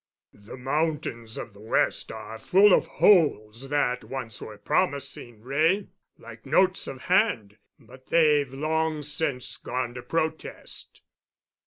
"The mountains of the West are full of holes that once were promising, Wray—like notes of hand—but they've long since gone to protest."